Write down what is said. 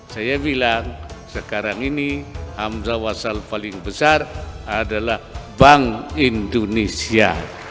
saya bilang sekarang ini hamzah wasal paling besar adalah bank indonesia